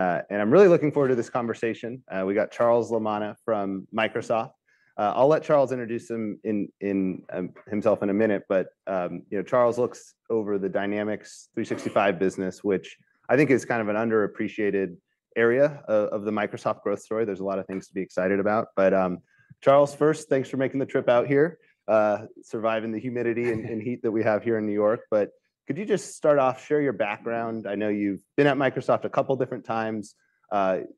I'm really looking forward to this conversation. We got Charles Lamanna from Microsoft. I'll let Charles introduce himself in a minute, but you know, Charles looks over the Dynamics 365 business, which I think is kind of an underappreciated area of the Microsoft growth story. There's a lot of things to be excited about. Charles, first, thanks for making the trip out here, surviving the humidity and heat that we have here in New York. Could you just start off, share your background? I know you've been at Microsoft a couple different times.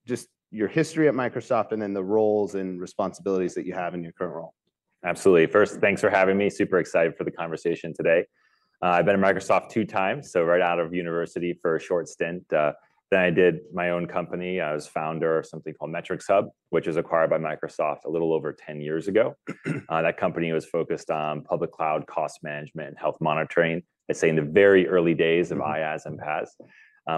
Just your history at Microsoft, and then the roles and responsibilities that you have in your current role. Absolutely. First, thanks for having me. Super excited for the conversation today. I've been at Microsoft two times, so right out of university for a short stint. Then I did my own company. I was founder of something called MetricHub, which was acquired by Microsoft a little over 10 years ago. That company was focused on public cloud cost management and health monitoring. Let's say, in the very early days of IaaS and PaaS.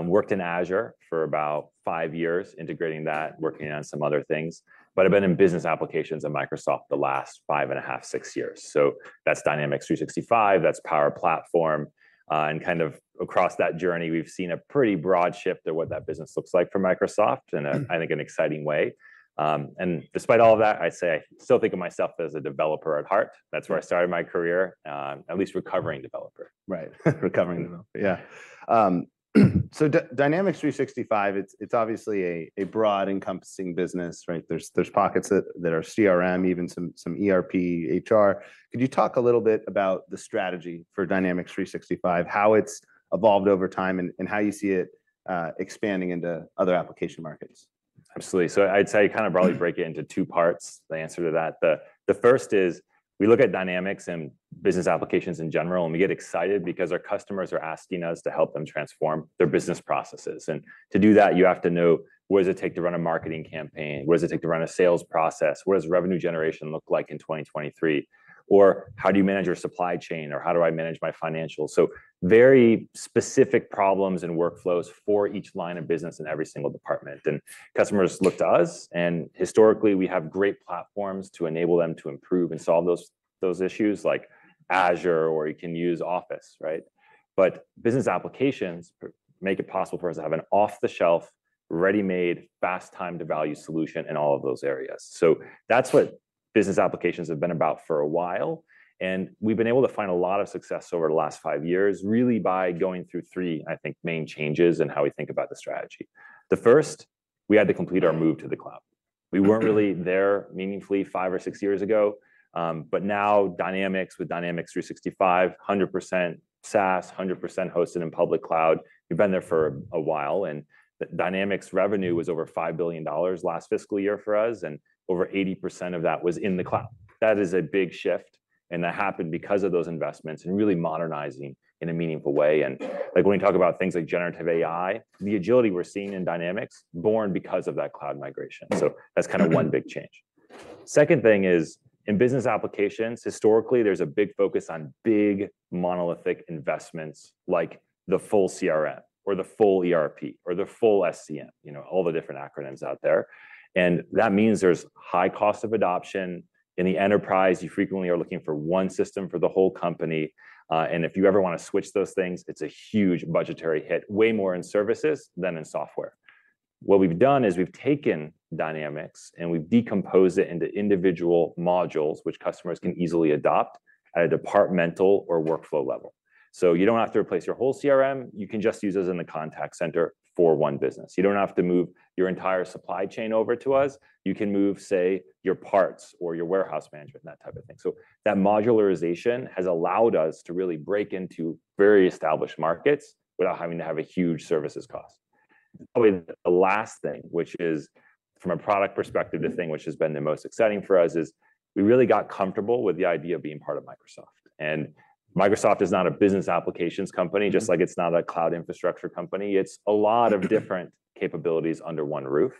Worked in Azure for about five years, integrating that, working on some other things. But I've been in business applications at Microsoft the last five and a half, six years. So that's Dynamics 365, that's Power Platform, and kind of across that journey, we've seen a pretty broad shift of what that business looks like for Microsoft. In a, I think, an exciting way. And despite all of that, I'd say I still think of myself as a developer at heart. That's where I started my career. At least recovering developer. Right. Recovering developer, yeah. So Dynamics 365, it's obviously a broad, encompassing business, right? There's pockets that are CRM, even some ERP, HR. Could you talk a little bit about the strategy for Dynamics 365, how it's evolved over time, and how you see it expanding into other application markets? Absolutely. So I'd say you kind of broadly break it into 2 parts, the answer to that. The first is, we look at Dynamics and business applications in general, and we get excited because our customers are asking us to help them transform their business processes. And to do that, you have to know, what does it take to run a marketing campaign? What does it take to run a sales process? What does revenue generation look like in 2023? Or how do you manage your supply chain, or how do I manage my financials? So very specific problems and workflows for each line of business in every single department. And customers look to us, and historically, we have great platforms to enable them to improve and solve those issues, like Azure, or you can use Office, right? Business applications make it possible for us to have an off-the-shelf, ready-made, fast time-to-value solution in all of those areas. So that's what business applications have been about for a while, and we've been able to find a lot of success over the last five years, really by going through 3, I think, main changes in how we think about the strategy. The first, we had to complete our move to the cloud. We weren't really there meaningfully five or six years ago, but now Dynamics, with Dynamics 365, 100% SaaS, 100% hosted in public cloud. We've been there for a while, and Dynamics revenue was over $5 billion last fiscal year for us, and over 80% of that was in the cloud. That is a big shift, and that happened because of those investments and really modernizing in a meaningful way. Like when we talk about things like generative AI, the agility we're seeing in Dynamics, born because of that cloud migration. So that's kind of one big change. Second thing is, in business applications, historically, there's a big focus on big, monolithic investments, like the full CRM or the full ERP or the full SCM. You know, all the different acronyms out there. And that means there's high cost of adoption. In the enterprise, you frequently are looking for one system for the whole company, and if you ever wanna switch those things, it's a huge budgetary hit, way more in services than in software. What we've done is we've taken Dynamics, and we've decomposed it into individual modules, which customers can easily adopt at a departmental or workflow level. So you don't have to replace your whole CRM, you can just use us in the contact center for one business. You don't have to move your entire supply chain over to us, you can move, say, your parts or your warehouse management, that type of thing. So that modularization has allowed us to really break into very established markets without having to have a huge services cost. Probably the last thing, which is, from a product perspective, the thing which has been the most exciting for us, is we really got comfortable with the idea of being part of Microsoft. And Microsoft is not a business applications company, just like it's not a cloud infrastructure company. It's a lot of different capabilities under one roof.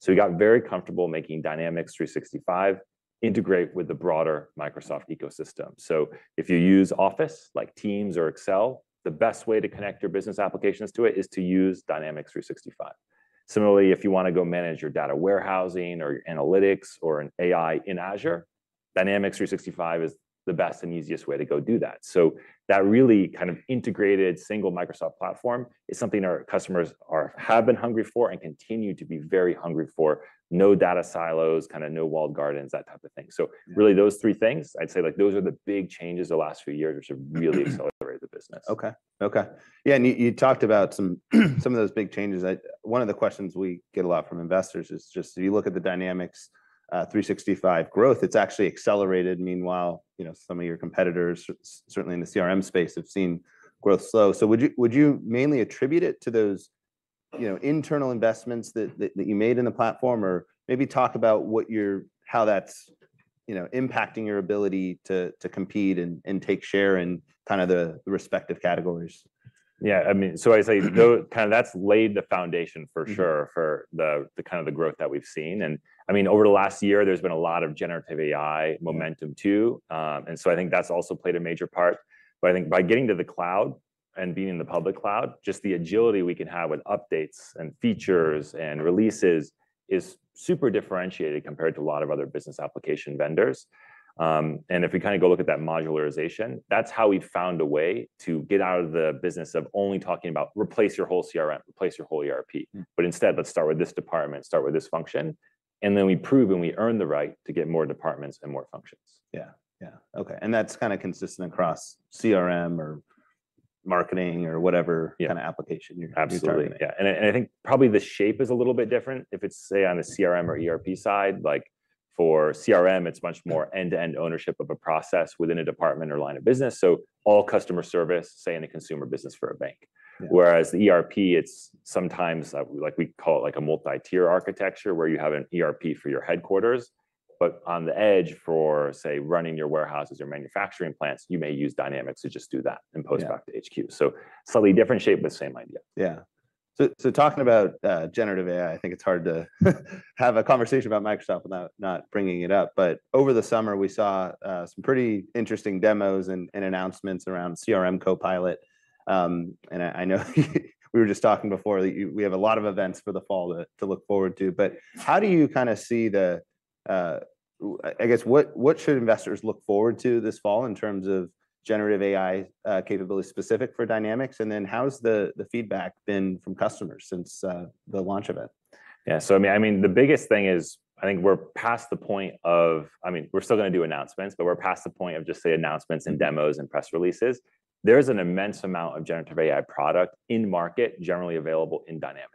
So we got very comfortable making Dynamics 365 integrate with the broader Microsoft ecosystem. So if you use Office, like Teams or Excel, the best way to connect your business applications to it is to use Dynamics 365. Similarly, if you wanna go manage your data warehousing or analytics or an AI in Azure, Dynamics 365 is the best and easiest way to go do that. So that really kind of integrated single Microsoft platform is something our customers have been hungry for and continue to be very hungry for. No data silos, kinda no walled gardens, that type of thing. Really, those three things, I'd say, like, those are the big changes the last few years, which have really accelerated the business. Okay, okay. Yeah, and you, you talked about some, some of those big changes. One of the questions we get a lot from investors is just, if you look at the Dynamics 365 growth, it's actually accelerated. Meanwhile, you know, some of your competitors, certainly in the CRM space, have seen growth slow. So would you, would you mainly attribute it to those, you know, internal investments that, that you made in the platform? Or maybe talk about what you're, how that's, you know, impacting your ability to, to compete and, and take share in kind of the respective categories. Yeah, I mean, so I'd say, kind of that's laid the foundation for sure. For the kind of growth that we've seen. And I mean, over the last year, there's been a lot of generative AI momentum, too. And so I think that's also played a major part. But I think by getting to the cloud and being in the public cloud, just the agility we can have with updates and features and releases is super differentiated compared to a lot of other business application vendors. And if we kind of go look at that modularization, that's how we've found a way to get out of the business of only talking about, "Replace your whole CRM, replace your whole ERP, but instead, let's start with this department, start with this function. Then we prove and we earn the right to get more departments and more functions. Yeah. Yeah, okay, and that's kind of consistent across CRM or marketing or whatever. Yeah. Kind of application you're. Absolutely. You're targeting. Yeah, and, and I think probably the shape is a little bit different if it's, say, on a CRM or ERP side. Like, for CRM, it's much more end-to-end ownership of a process within a department or line of business, so all customer service, say, in a consumer business for a bank. Whereas the ERP, it's sometimes, like, we call it, like, a multi-tier architecture, where you have an ERP for your headquarters, but on the edge for, say, running your warehouses or manufacturing plants, you may use Dynamics to just do that and post back to HQ. So slightly different shape, but same idea. Yeah. So, so talking about, generative AI, I think it's hard to have a conversation about Microsoft without not bringing it up. But over the summer, we saw, some pretty interesting demos and, and announcements around CRM Copilot. And I know we were just talking before that we have a lot of events for the fall to, to look forward to. But how do you kind of see the. I guess, what should investors look forward to this fall in terms of generative AI, capability specific for Dynamics? And then how has the, the feedback been from customers since, the launch of it? Yeah, so I mean, I mean, the biggest thing is I think we're past the point of. I mean, we're still gonna do announcements, but we're past the point of just, say, announcements and demos and press releases. There's an immense amount of generative AI product in market generally available in Dynamics.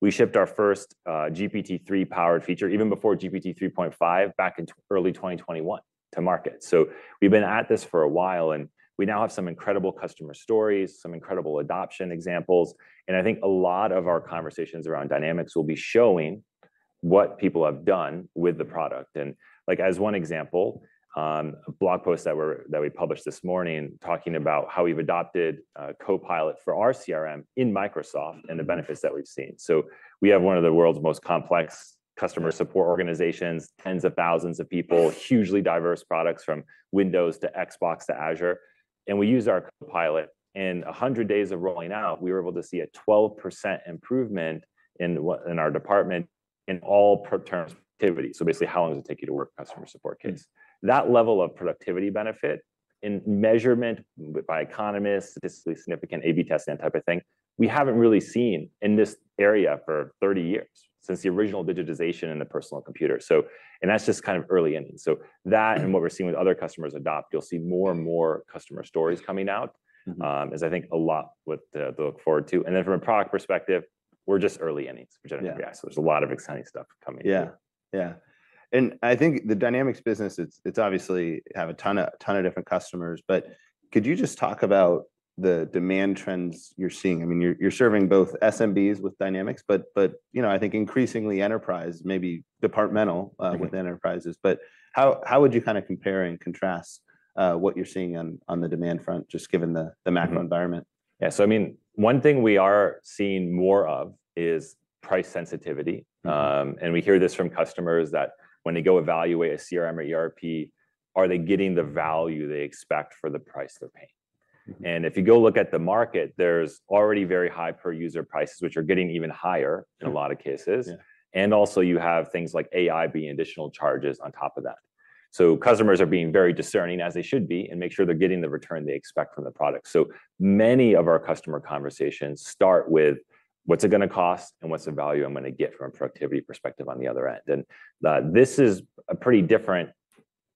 We shipped our first GPT-3 powered feature, even before GPT-3.5, back in early 2021 to market. So we've been at this for a while, and we now have some incredible customer stories, some incredible adoption examples, and I think a lot of our conversations around Dynamics will be showing what people have done with the product. And, like, as one example, a blog post that we published this morning talking about how we've adopted Copilot for our CRM in Microsoft and the benefits that we've seen. So we have one of the world's most complex customer support organizations, tens of thousands of people hugely diverse products from Windows to Xbox to Azure, and we use our Copilot. In 100 days of rolling out, we were able to see a 12% improvement in what in our department in all pro terms of activity. So basically, how long does it take you to work a customer support case? That level of productivity benefit in measurement by economists, statistically significant A/B testing type of thing, we haven't really seen in this area for 30 years, since the original digitization and the personal computer. So and that's just kind of early innings. So that, and what we're seeing with other customers adopt, you'll see more and more customer stories coming out. As I think, a lot to look forward to. And then from a product perspective, we're just early innings for generative AI. Yeah. There's a lot of exciting stuff coming here. Yeah. Yeah, and I think the Dynamics business, it's obviously have a ton of different customers, but could you just talk about the demand trends you're seeing? I mean, you're serving both SMBs with Dynamics, but you know, I think increasingly Enterprise may be departmental with enterprises. But how would you kind of compare and contrast what you're seeing on the demand front, just given the macro environment? Yeah, so I mean, one thing we are seeing more of is price sensitivity. We hear this from customers, that when they go evaluate a CRM or ERP, are they getting the value they expect for the price they're paying? If you go look at the market, there's already very high per-user prices, which are getting even higher in a lot of cases. Yeah. And also, you have things like AI being additional charges on top of that. So customers are being very discerning, as they should be, and make sure they're getting the return they expect from the product. So many of our customer conversations start with: "What's it gonna cost, and what's the value I'm gonna get from a productivity perspective on the other end?" And, this is a pretty different,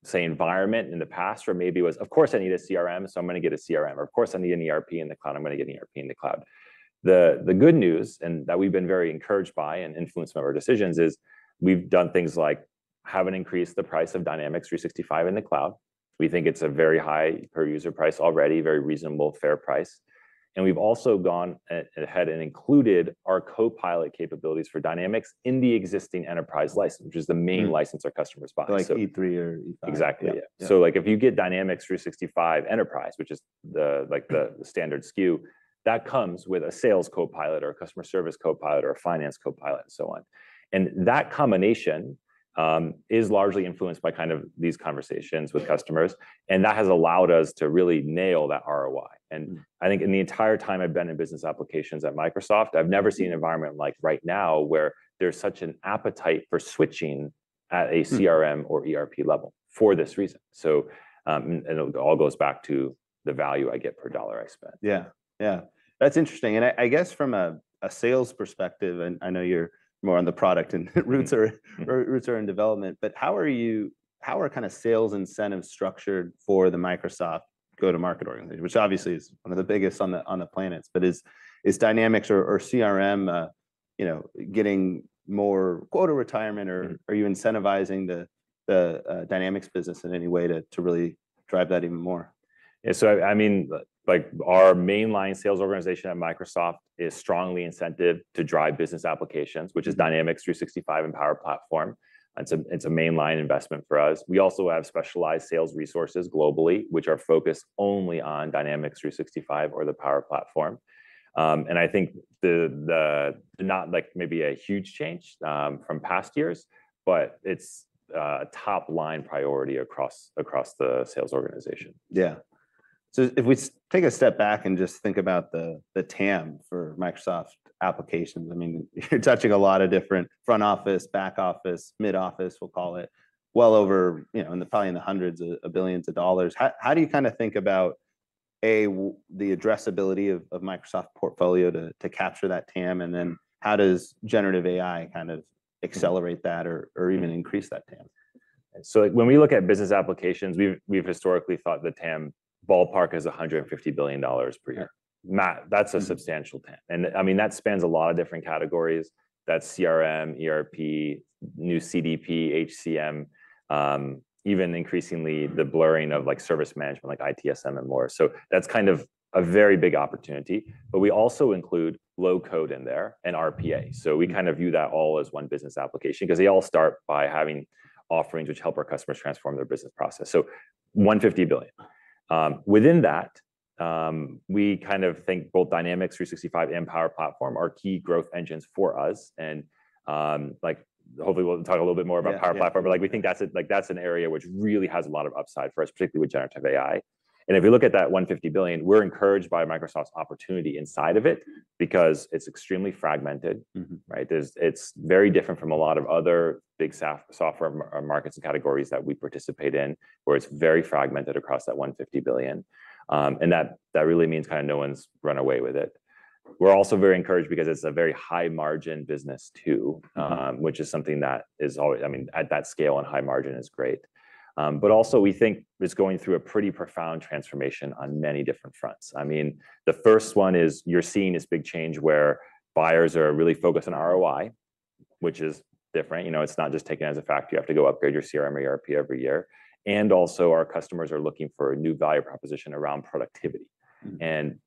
say, environment. In the past, where maybe it was, "Of course I need a CRM, so I'm gonna get a CRM," or, "Of course I need an ERP in the cloud, I'm gonna get an ERP in the cloud." The good news, and that we've been very encouraged by and influenced some of our decisions, is we've done things like haven't increased the price of Dynamics 365 in the cloud. We think it's a very high per-user price already, very reasonable, fair price. And we've also gone ahead and included our Copilot capabilities for Dynamics in the existing Enterprise license, which is the main license our customers buy. Like E3 or E5? Exactly, yeah. Yeah. Yeah. So, like, if you get Dynamics 365 Enterprise, which is the, like, the the standard SKU, that comes with a Sales Copilot or a Customer Service Copilot or a Finance Copilot and so on. And that combination is largely influenced by kind of these conversations with customers and that has allowed us to really nail that ROI. I think in the entire time I've been in business applications at Microsoft, I've never seen an environment like right now, where there's such an appetite for switching at a CRM or ERP level for this reason. So, and it all goes back to the value I get per dollar I spend. Yeah, yeah, that's interesting. And I, I guess from a sales perspective, and I know you're more on the product and roots are roots are in development, but how are kind of sales incentives structured for the Microsoft go-to-market organization? Which obviously is one of the biggest on the planet, but is Dynamics or CRM, you know, getting more quota attainment, or are you incentivizing the Dynamics business in any way to really drive that even more? Yeah, so I mean, like, our mainline sales organization at Microsoft is strongly incentivized to drive business applications, which is Dynamics 365 and Power Platform. It's a mainline investment for us. We also have specialized sales resources globally, which are focused only on Dynamics 365 or the Power Platform. And I think the not like maybe a huge change from past years, but it's a top-line priority across the sales organization. Yeah. So if we take a step back and just think about the TAM for Microsoft applications, I mean, you're touching a lot of different front office, back office, mid office, we'll call it, well over, you know, probably in the hundreds of billions of dollars. How do you kind of think about, A, the addressability of Microsoft portfolio to capture that TAM? And then how does generative AI kind of accelerate that or even increase that TAM? So when we look at business applications, we've historically thought the TAM ballpark is $150 billion per year. Yeah. That's a substantial TAM. And, I mean, that spans a lot of different categories. That's CRM, ERP, new CDP, HCM, even increasingly the blurring of, like, service management, like ITSM and more. So that's kind of a very big opportunity. But we also include low-code in there and RPA. So we kind of view that all as one business application 'cause they all start by having offerings which help our customers transform their business process, so $150 billion. Within that, we kind of think both Dynamics 365 and Power Platform are key growth engines for us. And, like, hopefully we'll talk a little bit more about. Yeah, yeah Power Platform, but, like, we think that's a, like, that's an area which really has a lot of upside for us, particularly with generative AI. And if you look at that $150 billion, we're encouraged by Microsoft's opportunity inside of it because it's extremely fragmented. Right? There's. It's very different from a lot of other big software markets and categories that we participate in, where it's very fragmented across that $150 billion. And that really means kind of no one's run away with it. We're also very encouraged because it's a very high-margin business, too. Which is something that is always, I mean, at that scale and high margin is great. But also, we think it's going through a pretty profound transformation on many different fronts. I mean, the first one is you're seeing this big change where buyers are really focused on ROI, which is different. You know, it's not just taken as a fact. You have to go upgrade your CRM or ERP every year. And also, our customers are looking for a new value proposition around productivity.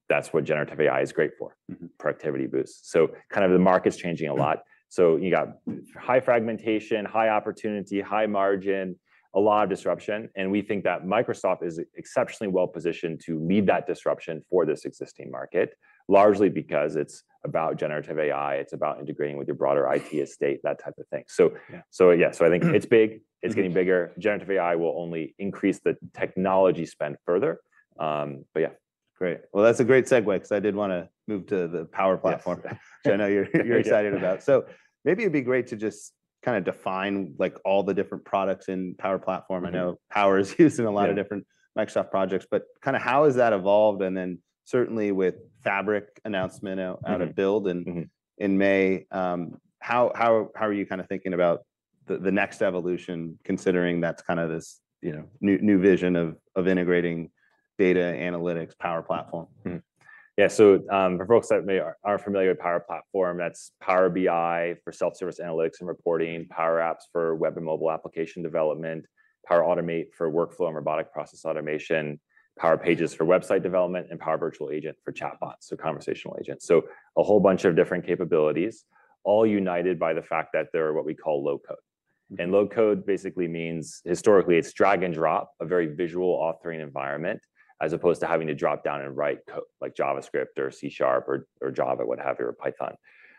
That's what generative AI is great for productivity boosts. So kind of the market's changing a lot. So you got high fragmentation, high opportunity, high margin, a lot of disruption, and we think that Microsoft is exceptionally well positioned to lead that disruption for this existing market, largely because it's about generative AI. It's about integrating with your broader IT estate, that type of thing. So, So yeah, so I think it's big. It's getting bigger. Generative AI will only increase the technology spend further. But yeah. Great. Well, that's a great segue 'cause I did wanna move to the Power Platform which I know you're excited about. So maybe it'd be great to just kind of define, like, all the different products in Power Platform. I know Power is used in a lot of. Yeah. Different Microsoft projects, but kind of how has that evolved? And then certainly with Fabric announcement out out of Build and in May, how are you kind of thinking about the next evolution, considering that's kind of this, you know, new vision of integrating data, analytics, Power Platform? Yeah, so for folks that aren't familiar with Power Platform, that's Power BI for self-service analytics and reporting, Power Apps for web and mobile application development, Power Automate for workflow and robotic process automation, Power Pages for website development, and Power Virtual Agents for chatbots, so conversational agents. So a whole bunch of different capabilities, all united by the fact that they're what we call low-code. Low-code basically means historically, it's drag and drop, a very visual authoring environment, as opposed to having to drop down and write code, like JavaScript or C# or, or Java, what have you, or Python.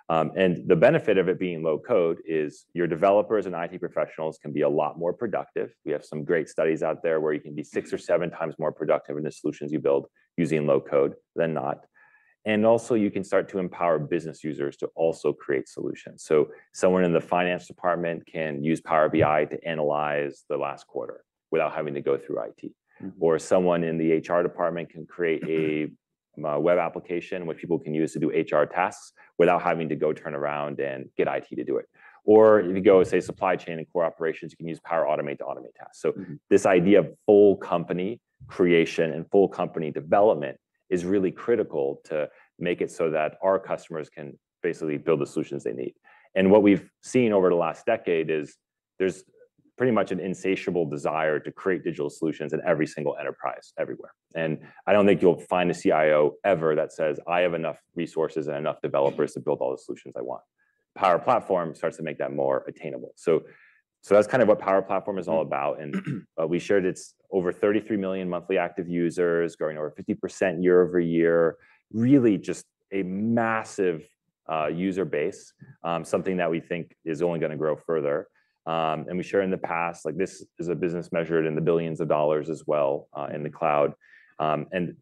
The benefit of it being low-code is your developers and IT professionals can be a lot more productive. We have some great studies out there where you can be six or seven times more productive in the solutions you build using low-code than not. You can start to empower business users to also create solutions. Someone in the finance department can use Power BI to analyze the last quarter without having to go through IT. Or someone in the HR department can create a web application, which people can use to do HR tasks without having to go turn around and get IT to do it. Or you could go, say, supply chain and core operations; you can use Power Automate to automate tasks. So this idea of full company creation and full company development is really critical to make it so that our customers can basically build the solutions they need. And what we've seen over the last decade is there's pretty much an insatiable desire to create digital solutions in every single enterprise, everywhere. And I don't think you'll find a CIO ever that says, "I have enough resources and enough developers to build all the solutions I want." Power Platform starts to make that more attainable. So that's kind of what Power Platform is all about. And we shared it's over 33 million monthly active users, growing over 50% year-over-year. Really just a massive user base, something that we think is only gonna grow further. We shared in the past, like, this is a business measured in the billions of dollars as well, in the cloud.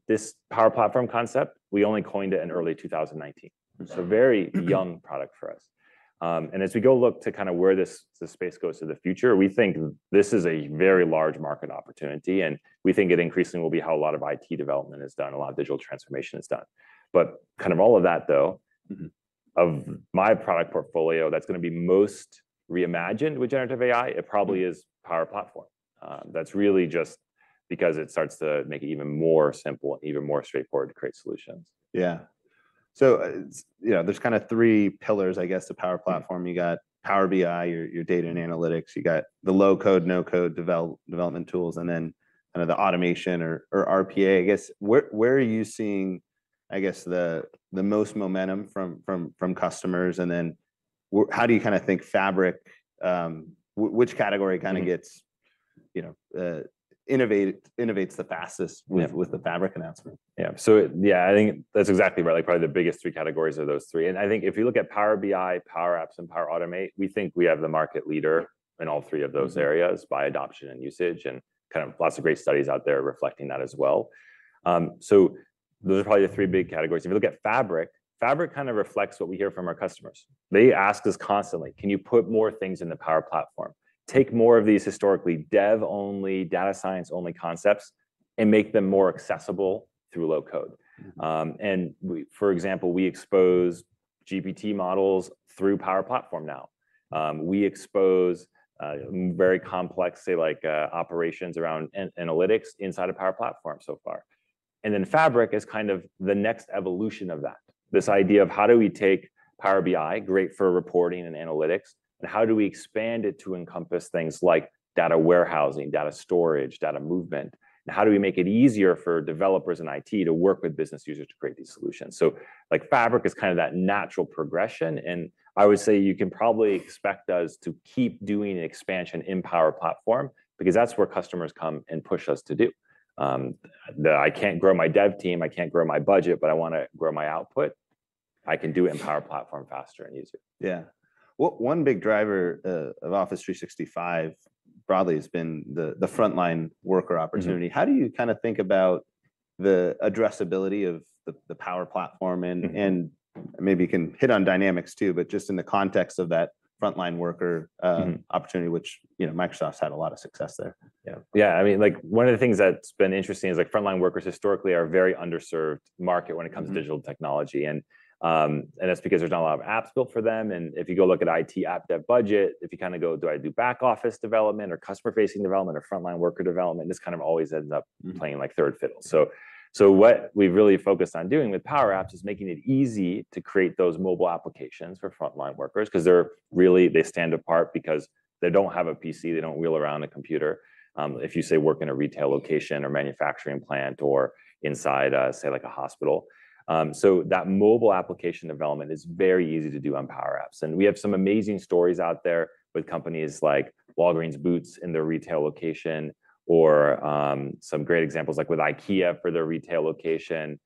This Power Platform concept, we only coined it in early 2019 so a very young product for us. And as we go look to kind of where this, this space goes to the future, we think this is a very large market opportunity, and we think it increasingly will be how a lot of IT development is done, a lot of digital transformation is done. But kind of all of that, though of my product portfolio, that's gonna be most reimagined with generative AI, it probably is Power Platform. That's really just because it starts to make it even more simple and even more straightforward to create solutions. Yeah. So, you know, there's kind of three pillars, I guess, to Power Platform. You got Power BI, your data and analytics, you got the low-code/no-code development tools, and then kind of the automation or RPA, I guess. Where are you seeing, I guess, the most momentum from customers? And then how do you kind of think Fabric, which category kind of gets, you know, innovates the fastest. Yeah. With the Fabric announcement? Yeah. So yeah, I think that's exactly right, like probably the biggest three categories are those three. And I think if you look at Power BI, Power Apps, and Power Automate, we think we have the market leader in all three of those areas by adoption and usage, and kind of lots of great studies out there reflecting that as well. Those are probably the three big categories. If you look at Fabric, Fabric kind of reflects what we hear from our customers. They ask us constantly, "Can you put more things in the Power Platform? Take more of these historically dev-only, data science-only concepts and make them more accessible through low-code. And we, for example, we expose GPT models through Power Platform now. We expose very complex, say, like, operations around analytics inside of Power Platform so far. And then Fabric is kind of the next evolution of that, this idea of how do we take Power BI, great for reporting and analytics, and how do we expand it to encompass things like data warehousing, data storage, data movement, and how do we make it easier for developers and IT to work with business users to create these solutions? So, like, Fabric is kind of that natural progression, and I would say you can probably expect us to keep doing expansion in Power Platform, because that's where customers come and push us to do. I can't grow my dev team, I can't grow my budget, but I wanna grow my output." I can do it in Power Platform faster and easier. Yeah. Well, one big driver of Office 365 broadly has been the frontline worker opportunity. How do you kind of think about the addressability of the Power Platform? And maybe you can hit on Dynamics, too, but just in the context of that frontline worker opportunity, which, you know, Microsoft's had a lot of success there. Yeah. Yeah, I mean, like, one of the things that's been interesting is, like, frontline workers historically are a very underserved market when it comes to digital technology, and, and that's because there's not a lot of apps built for them. If you go look at IT app dev budget, if you kind of go, "Do I do back office development or customer-facing development or frontline worker development?" This kind of always ends up playing, like, third fiddle. What we've really focused on doing with Power Apps is making it easy to create those mobile applications for frontline workers, 'cause they're really they stand apart because they don't have a PC, they don't wheel around a computer, if you, say, work in a retail location or manufacturing plant or inside a, say, like a hospital. So that mobile application development is very easy to do on Power Apps. And we have some amazing stories out there with companies like Walgreens Boots in their retail location, or, some great examples like with IKEA for their retail location,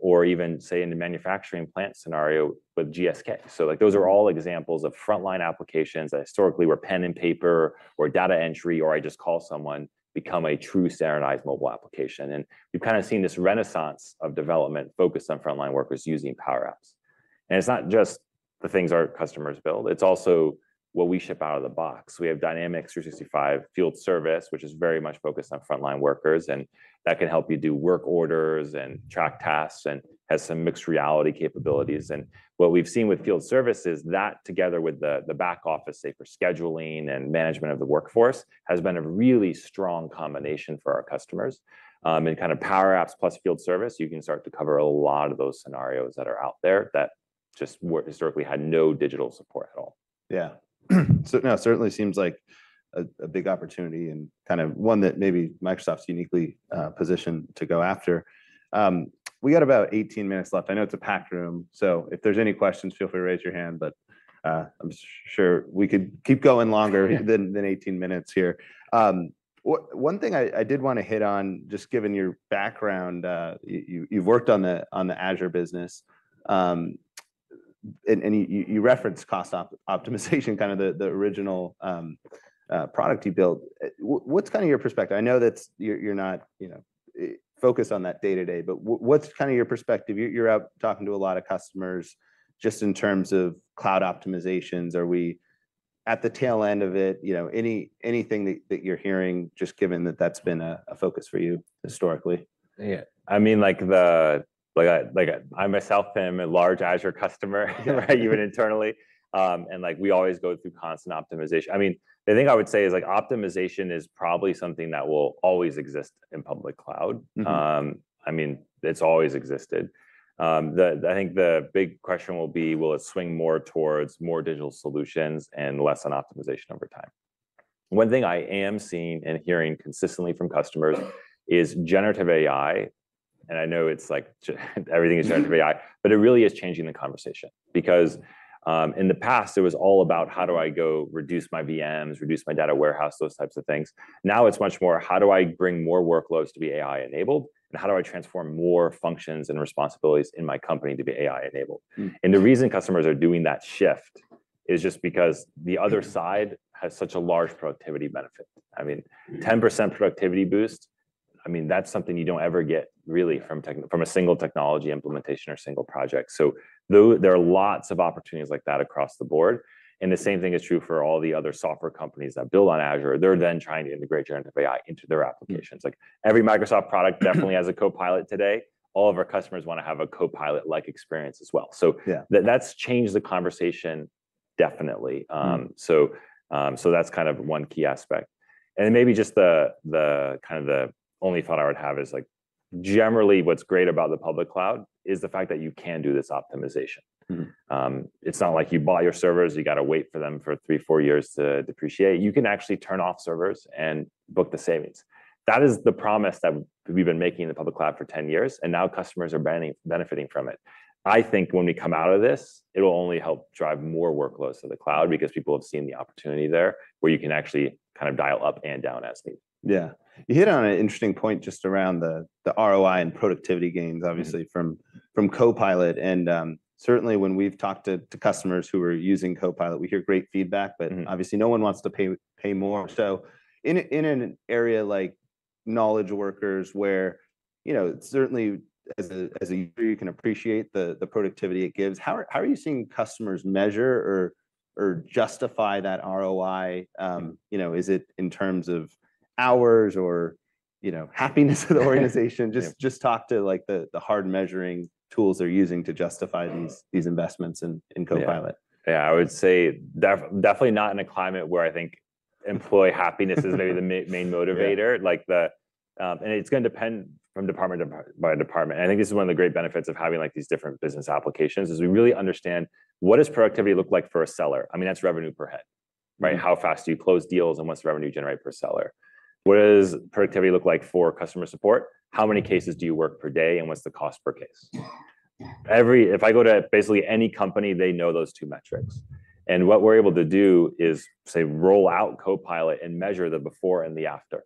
or even, say, in the manufacturing plant scenario with GSK. So, like, those are all examples of frontline applications that historically were pen and paper, or data entry, or I just call someone, become a true standardized mobile application. We've kind of seen this renaissance of development focused on frontline workers using Power Apps. It's not just the things our customers build, it's also what we ship out of the box. We have Dynamics 365 Field Service, which is very much focused on frontline workers, and that can help you do work orders and track tasks, and has some mixed reality capabilities. What we've seen with Field Service is that, together with the back office, say, for scheduling and management of the workforce, has been a really strong combination for our customers. In kind of Power Apps plus Field Service, you can start to cover a lot of those scenarios that are out there that just were historically had no digital support at all. Yeah. So no, it certainly seems like a big opportunity, and kind of one that maybe Microsoft's uniquely positioned to go after. We got about 18 minutes left. I know it's a packed room, so if there's any questions, feel free to raise your hand, but I'm sure we could keep going longer. Yeah. Than 18 minutes here. One thing I did wanna hit on, just given your background, you've worked on the Azure business. And you referenced cost optimization, kind of the original product you built. What's kind of your perspective? I know that's, you're not, you know, focused on that day-to-day, but what's kind of your perspective? You're out talking to a lot of customers. Just in terms of cloud optimizations, are we at the tail end of it? You know, anything that you're hearing, just given that that's been a focus for you historically? Yeah. I mean, like, the, like I, like, I myself am a large Azure customer, right? Even internally. And like, we always go through constant optimization. I mean, the thing I would say is, like, optimization is probably something that will always exist in public cloud. I mean, it's always existed. I think the big question will be: Will it swing more towards more digital solutions and less on optimization over time? One thing I am seeing and hearing consistently from customers is generative AI, and I know it's like everything is generative AI. But it really is changing the conversation. Because, in the past, it was all about, how do I go reduce my VMs, reduce my data warehouse, those types of things? Now, it's much more, how do I bring more workloads to be AI-enabled, and how do I transform more functions and responsibilities in my company to be AI-enabled? The reason customers are doing that shift is just because the other side has such a large productivity benefit. I mean, 10% productivity boost, I mean, that's something you don't ever get, really from a single technology implementation or single project. So though there are lots of opportunities like that across the board, and the same thing is true for all the other software companies that build on Azure. They're then trying to integrate generative AI into their applications. Like, every Microsoft product definitely has a Copilot today. All of our customers want to have a Copilot-like experience as well. So. Yeah. That's changed the conversation definitely. So that's kind of one key aspect. And then maybe just kind of the only thought I would have is, like, generally what's great about the public cloud is the fact that you can do this optimization. It's not like you buy your servers; you gotta wait for them for three-four years to depreciate. You can actually turn off servers and book the savings. That is the promise that we've been making in the public cloud for 10 years, and now customers are benefiting from it. I think when we come out of this, it will only help drive more workloads to the cloud because people have seen the opportunity there, where you can actually kind of dial up and down as needed. Yeah. You hit on an interesting point just around the ROI and productivity gains obviously from Copilot. And certainly when we've talked to customers who are using Copilot, we hear great feedback. Obviously no one wants to pay more. In an area like knowledge workers where, you know, certainly as a user, you can appreciate the productivity it gives. How are you seeing customers measure or justify that ROI? You know, is it in terms of hours or, you know, happiness of the organization? Yeah. Just talk to, like, the hard measuring tools they're using to justify these investments in Copilot. Yeah. Yeah, I would say definitely not in a climate where I think employee happiness is maybe the main motivator. Yeah. Like, and it's gonna depend from department by department. I think this is one of the great benefits of having, like, these different business applications, is we really understand what does productivity look like for a seller? I mean, that's revenue per head, right? How fast do you close deals, and what's the revenue you generate per seller? What does productivity look like for customer support? How many cases do you work per day, and what's the cost per case? Yeah. Yeah. If I go to basically any company, they know those two metrics. And what we're able to do is, say, roll out Copilot and measure the before and the after,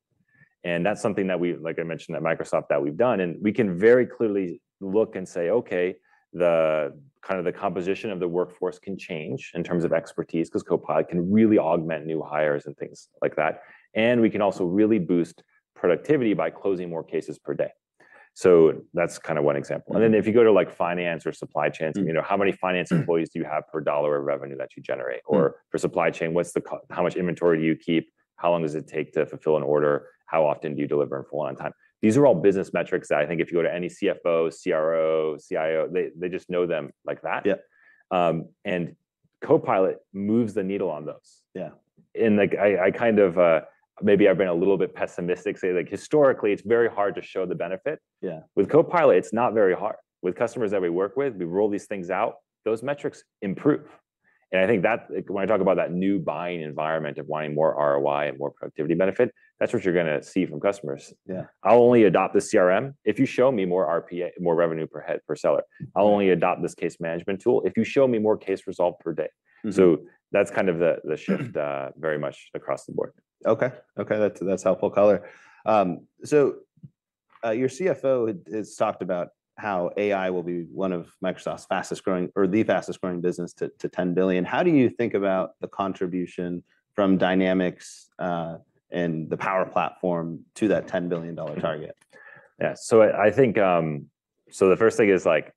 and that's something that we, like I mentioned at Microsoft, that we've done. And we can very clearly look and say, "Okay, the kind of the composition of the workforce can change in terms of expertise," 'cause Copilot can really augment new hires and things like that. And we can also really boost productivity by closing more cases per day. So that's kind of one example. And then if you go to, like, finance or supply chain you know, how many finance employees do you have per dollar of revenue that you generate? Or for supply chain, how much inventory do you keep? How long does it take to fulfill an order? How often do you deliver in full on time? These are all business metrics that I think if you go to any CFO, CRO, CIO, they just know them like that. Yeah. And Copilot moves the needle on those. Yeah. Like, I kind of maybe I've been a little bit pessimistic, say, like, historically, it's very hard to show the benefit. Yeah. With Copilot, it's not very hard. With customers that we work with, we roll these things out, those metrics improve, and I think that, when I talk about that new buying environment of wanting more ROI and more productivity benefit, that's what you're gonna see from customers. Yeah. I'll only adopt this CRM if you show me more RPA, more revenue per head, per seller. I'll only adopt this case management tool if you show me more cases resolved per day. That's kind of the shift very much across the board. Okay. Okay, that's helpful color. So, your CFO has talked about how AI will be one of Microsoft's fastest-growing or the fastest-growing business to $10 billion. How do you think about the contribution from Dynamics and the Power Platform to that $10 billion target? Yeah, so I think. So the first thing is, like,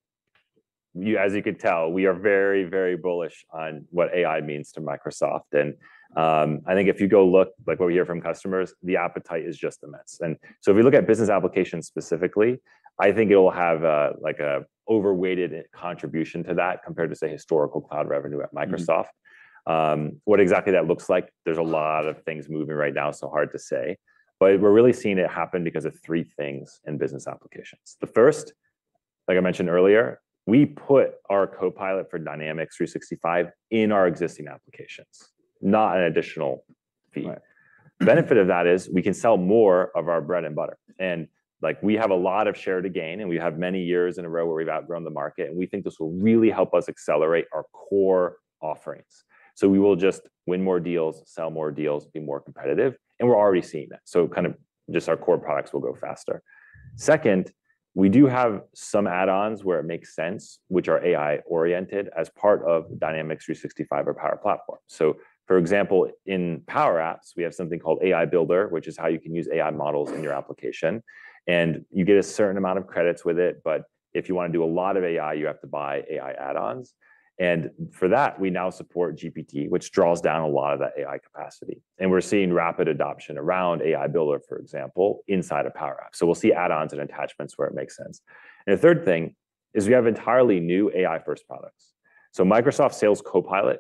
you, as you can tell, we are very, very bullish on what AI means to Microsoft. And I think if you go look, like, what we hear from customers, the appetite is just immense. And so if we look at business applications specifically, I think it'll have a, like, a overweighted contribution to that compared to, say, historical cloud revenue at Microsoft. What exactly that looks like, there's a lot of things moving right now, so hard to say. But we're really seeing it happen because of three things in business applications. The first, like I mentioned earlier, we put our Copilot for Dynamics 365 in our existing applications, not an additional fee. Right. Benefit of that is we can sell more of our bread and butter. And, like, we have a lot of share to gain, and we have many years in a row where we've outgrown the market, and we think this will really help us accelerate our core offerings. So we will just win more deals, sell more deals, be more competitive, and we're already seeing that. So kind of just our core products will go faster. Second, we do have some add-ons where it makes sense, which are AI-oriented, as part of Dynamics 365 or Power Platform. So for example, in Power Apps, we have something called AI Builder, which is how you can use AI models in your application, and you get a certain amount of credits with it. But if you want to do a lot of AI, you have to buy AI add-ons, and for that, we now support GPT, which draws down a lot of that AI capacity. And we're seeing rapid adoption around AI Builder, for example, inside of Power Apps. So we'll see add-ons and attachments where it makes sense. And the third thing is we have entirely new AI-first products. So Microsoft Sales Copilot,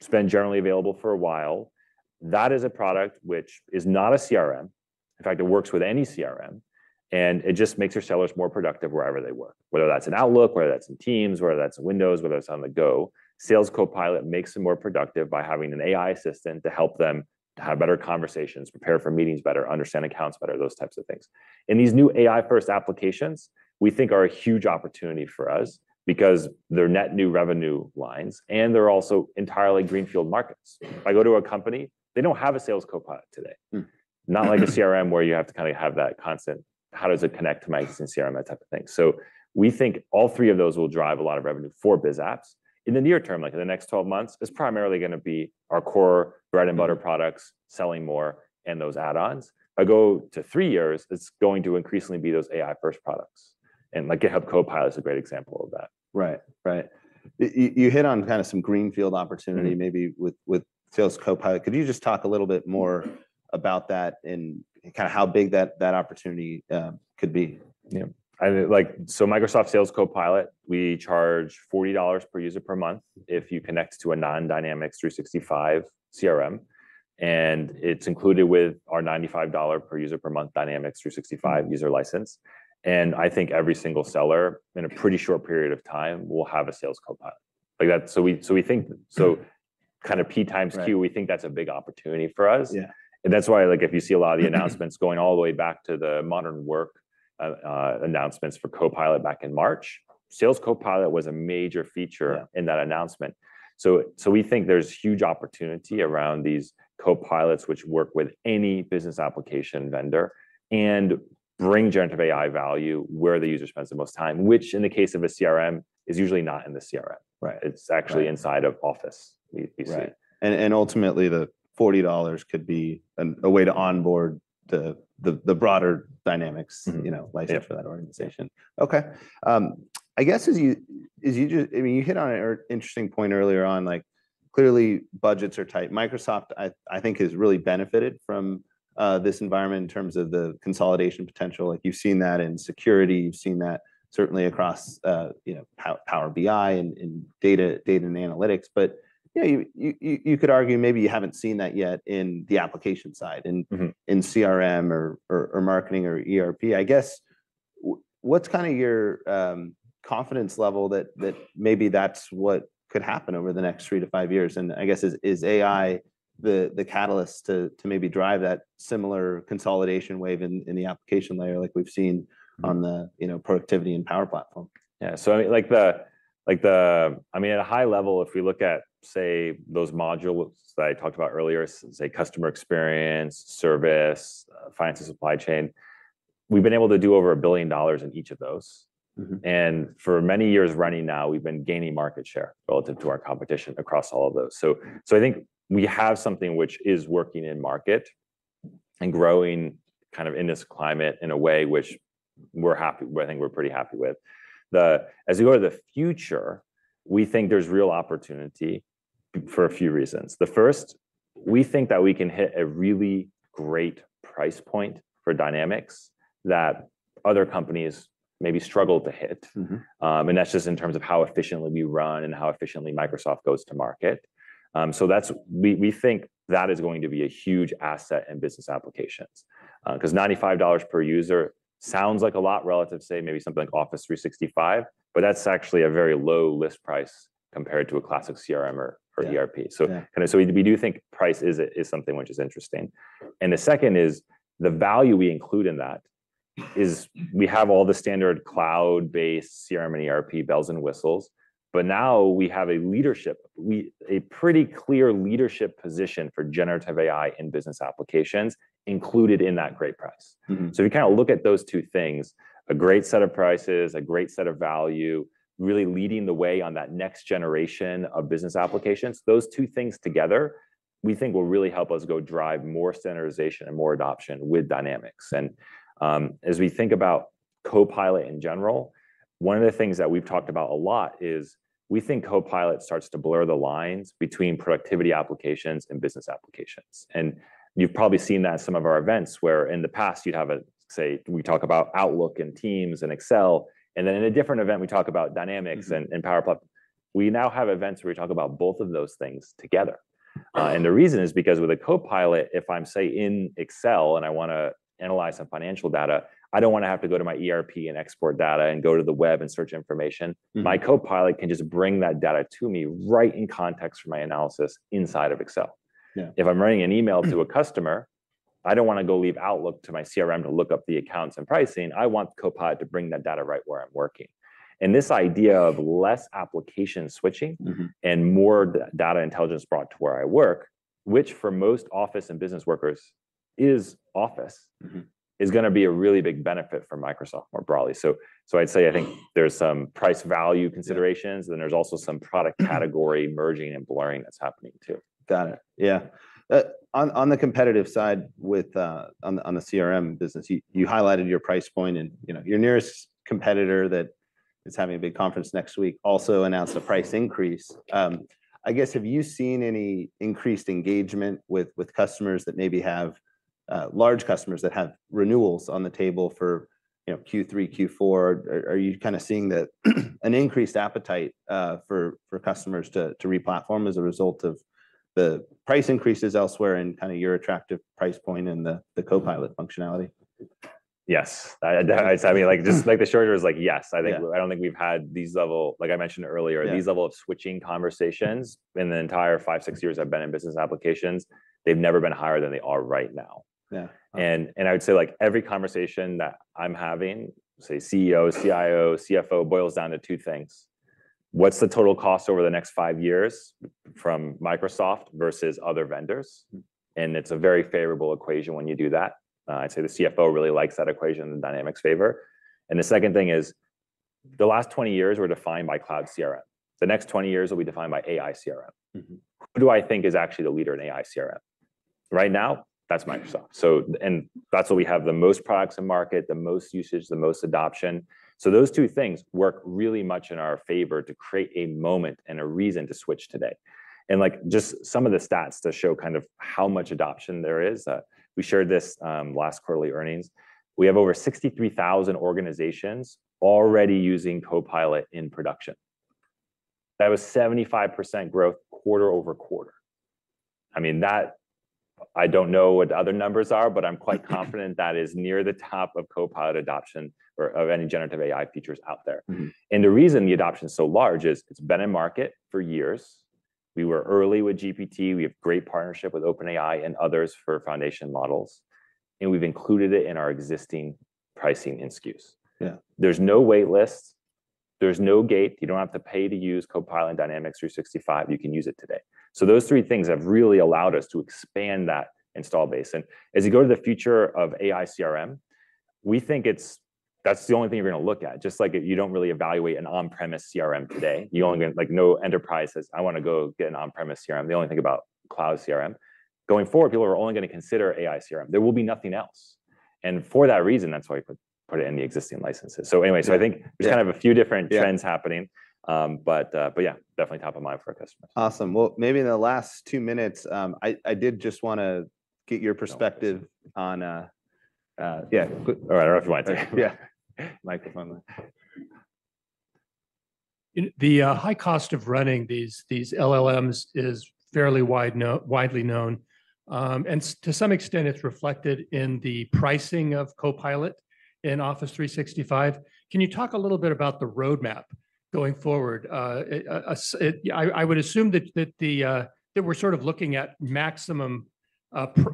it's been generally available for a while. That is a product which is not a CRM. In fact, it works with any CRM, and it just makes our sellers more productive wherever they work, whether that's in Outlook, whether that's in Teams, whether that's in Windows, whether it's on the go. Sales Copilot makes them more productive by having an AI assistant to help them to have better conversations, prepare for meetings better, understand accounts better, those types of things. These new AI-first applications we think are a huge opportunity for us because they're net new revenue lines, and they're also entirely greenfield markets. If I go to a company, they don't have a Sales Copilot today not like a CRM, where you have to kind of have that constant, how does it connect to my existing CRM, that type of thing. So we think all three of those will drive a lot of revenue for biz apps. In the near term, like in the next 12 months, it's primarily gonna be our core bread-and-butter products selling more and those add-ons. I go to three years, it's going to increasingly be those AI-first products, and like GitHub Copilot is a great example of that. Right. Right. You hit on kind of some greenfield opportunity maybe with, with Sales Copilot. Could you just talk a little bit more about that and kind of how big that, that opportunity could be? Yeah. I mean, like, so Microsoft Sales Copilot, we charge $40 per user per month if you connect to a non-Dynamics 365 CRM, and it's included with our $95 per user per month Dynamics 365 user license. I think every single seller, in a pretty short period of time, will have a Sales Copilot. Like, that's. So we, so we think, so kind of P times Q. Right. We think that's a big opportunity for us. Yeah. That's why, like, if you see a lot of the announcements going all the way back to the modern work announcements for Copilot back in March, Sales Copilot was a major feature. Yeah In that announcement. So, we think there's huge opportunity around these copilots, which work with any business application vendor and bring generative AI value where the user spends the most time, which in the case of a CRM, is usually not in the CRM. Right. It's actually inside of Office, we see. Right. And ultimately, the $40 could be a way to onboard the broader Dynamics, you know, license for that organization. Okay, I guess as you, as you just—I mean, you hit on an interesting point earlier on, like, clearly budgets are tight. Microsoft, I think, has really benefited from this environment in terms of the consolidation potential. Like, you've seen that in security, you've seen that certainly across, you know, Power BI, in data and analytics. But, yeah, you could argue maybe you haven't seen that yet in the application side, in, in CRM or marketing or ERP. I guess what's kind of your confidence level that maybe that's what could happen over the next three-five years? And I guess, is AI the catalyst to maybe drive that similar consolidation wave in the application layer like we've seen on the, you know, productivity and Power Platform? Yeah. So, I mean, like, the. I mean, at a high level, if we look at, say, those modules that I talked about earlier, say, customer experience, service, finance and supply chain, we've been able to do over $1 billion in each of those. And for many years running now, we've been gaining market share relative to our competition across all of those. So, so I think we have something which is working in-market and growing kind of in this climate in a way which we're happy with, I think we're pretty happy with. As we go to the future, we think there's real opportunity for a few reasons. The first, we think that we can hit a really great price point for Dynamics that other companies maybe struggle to hit. And that's just in terms of how efficiently we run and how efficiently Microsoft goes to market. So that's. We, we think that is going to be a huge asset in business applications. 'Cause $95 per user sounds like a lot relative to, say, maybe something like Office 365, but that's actually a very low list price compared to a classic CRM or, or ERP. Yeah, yeah. And so we do think price is something which is interesting. And the second is, the value we include in that is we have all the standard cloud-based CRM and ERP bells and whistles, but now we have a leadership, a pretty clear leadership position for generative AI in business applications included in that great price. So if you kind of look at those two things, a great set of prices, a great set of value, really leading the way on that next generation of business applications, those two things together, we think will really help us go drive more standardization and more adoption with Dynamics. As we think about Copilot in general, one of the things that we've talked about a lot is we think Copilot starts to blur the lines between productivity applications and business applications. And you've probably seen that at some of our events, where in the past you'd have a, say, we talk about Outlook, and Teams, and Excel, and then in a different event, we talk about Dynamics and Power Platform. We now have events where we talk about both of those things together. And the reason is because with a Copilot, if I'm, say, in Excel and I want to analyze some financial data, I don't want to have to go to my ERP, and export data, and go to the web, and search information. My Copilot can just bring that data to me right in context for my analysis inside of Excel. Yeah. If I'm writing an email to a customer, I don't want to go leave Outlook to my CRM to look up the accounts and pricing. I want Copilot to bring that data right where I'm working. This idea of less application switching and more data intelligence brought to where I work, which for most office and business workers is Office is gonna be a really big benefit for Microsoft more broadly. So, I'd say I think there's some price value considerations, and then there's also some product category merging and blurring that's happening, too. Got it, yeah. On the competitive side with on the CRM business, you highlighted your price point and, you know, your nearest competitor that is having a big conference next week also announced a price increase. I guess, have you seen any increased engagement with customers that maybe have large customers that have renewals on the table for, you know, Q3, Q4? Or are you kind of seeing that an increased appetite for customers to re-platform as a result of the price increases elsewhere and kind of your attractive price point and the Copilot functionality? Yes. I mean, like, just, like, the short answer is like, yes. I don't think we've had these level. Like I mentioned earlier. Yeah. These level of switching conversations in the entire five, six years I've been in business applications, they've never been higher than they are right now. Yeah. I would say, like, every conversation that I'm having, say, CEOs, CIOs, CFOs, boils down to two things: What's the total cost over the next five years from Microsoft versus other vendors? It's a very favorable equation when you do that. I'd say the CFO really likes that equation in Dynamics' favor. The second thing is, the last 20 years were defined by cloud CRM. The next 20 years will be defined by AI CRM. Who do I think is actually the leader in AI CRM? Right now, that's Microsoft, so and that's why we have the most products in market, the most usage, the most adoption. So those two things work really much in our favor to create a moment and a reason to switch today. And, like, just some of the stats to show kind of how much adoption there is, we shared this, last quarterly earnings. We have over 63,000 organizations already using Copilot in production. That was 75% growth quarter-over-quarter. I mean, that. I don't know what the other numbers are, but I'm quite confident that is near the top of Copilot adoption or of any generative AI features out there. The reason the adoption is so large is it's been in market for years. We were early with GPT. We have great partnership with OpenAI and others for foundation models, and we've included it in our existing pricing and SKUs. Yeah. There's no wait list. There's no gate. You don't have to pay to use Copilot in Dynamics 365. You can use it today. So those three things have really allowed us to expand that install base. And as you go to the future of AI CRM, we think it's, that's the only thing you're gonna look at. Just like you don't really evaluate an on-premises CRM today, you only get, like, no enterprise says, "I wanna go get an on-premises CRM." They only think about cloud CRM. Going forward, people are only gonna consider AI CRM. There will be nothing else. And for that reason, that's why we put, put it in the existing licenses. So anyway, So I think there's kind of a few different trends happening, but yeah, definitely top of mind for our customers. Awesome. Well, maybe in the last two minutes, I did just wanna get your perspective on. Yeah. All right, I don't know if you want to. Yeah. Microphone. The high cost of running these LLMs is fairly widely known, and to some extent, it's reflected in the pricing of Copilot in Office 365. Can you talk a little bit about the roadmap going forward? I would assume that we're sort of looking at maximum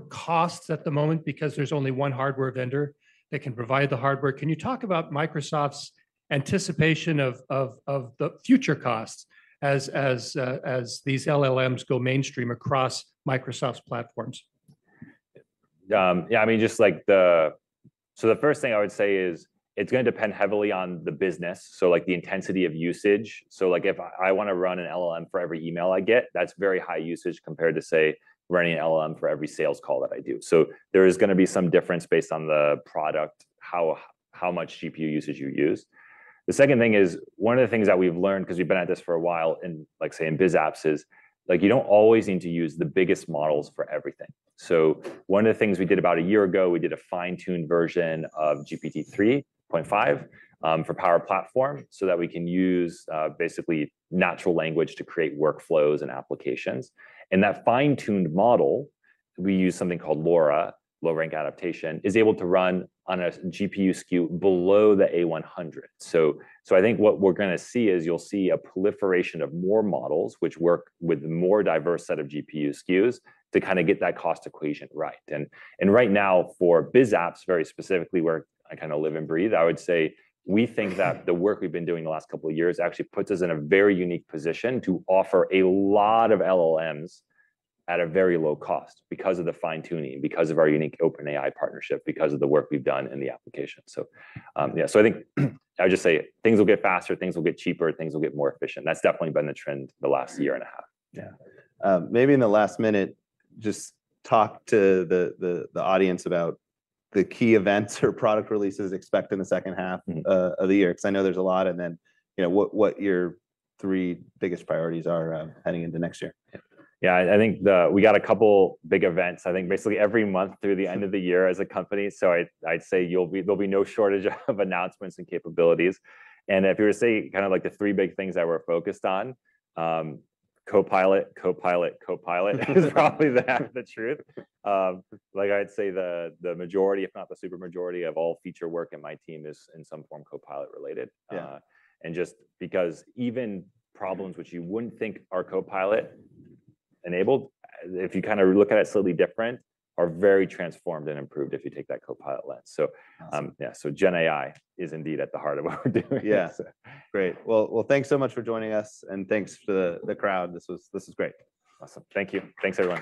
costs at the moment because there's only one hardware vendor that can provide the hardware. Can you talk about Microsoft's anticipation of the future costs as these LLMs go mainstream across Microsoft's platforms? Yeah, I mean, just like the. So the first thing I would say is it's gonna depend heavily on the business, so, like, the intensity of usage. So, like, if I want to run an LLM for every email I get, that's very high usage compared to, say, running an LLM for every sales call that I do. So there is gonna be some difference based on the product, how, how much GPU usage you use. The second thing is, one of the things that we've learned, because we've been at this for a while, in, like, say, in BizApps, is, like, you don't always need to use the biggest models for everything. So one of the things we did about a year ago, we did a fine-tuned version of GPT-3.5 for Power Platform, so that we can use basically natural language to create workflows and applications. And that fine-tuned model, we use something called LoRA, low-rank adaptation, is able to run on a GPU SKU below the A100. So I think what we're gonna see is you'll see a proliferation of more models, which work with more diverse set of GPU SKUs to kind of get that cost equation right. Right now, for BizApps, very specifically, where I kind of live and breathe, I would say we think that the work we've been doing the last couple of years actually puts us in a very unique position to offer a lot of LLMs at a very low cost because of the fine-tuning, because of our unique OpenAI partnership, because of the work we've done in the application. So, yeah, so I think I would just say things will get faster, things will get cheaper, things will get more efficient. That's definitely been the trend the last year and a half. Yeah. Maybe in the last minute, just talk to the audience about the key events or product releases expected in the second half of the year, because I know there's a lot, and then, you know, what, what your three biggest priorities are, heading into next year? Yeah, I think we got a couple big events, I think, basically every month through the end of the year as a company. So I'd say there'll be no shortage of announcements and capabilities. And if you were to say kind of like the three big things that we're focused on, Copilot, Copilot, Copilot is probably the truth. Like, I'd say the majority, if not the super majority, of all feature work in my team is, in some form, Copilot related. Yeah. Just because even problems which you wouldn't think are Copilot enabled, if you kind of look at it slightly different, are very transformed and improved if you take that Copilot lens. So. Awesome. Yeah, so GenAI is indeed at the heart of what we're doing. Yeah. Great. Well, thanks so much for joining us, and thanks to the crowd. This was great. Awesome. Thank you. Thanks, everyone.